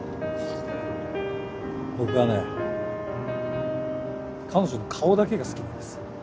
僕はね彼女の顔だけが好きなんです。